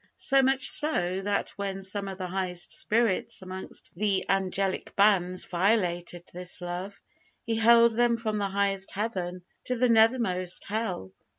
So much so, that when some of the highest spirits amongst the angelic bands violated this love, He hurled them from the highest Heaven to the nethermost hell!